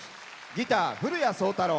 ギター、古屋創太郎。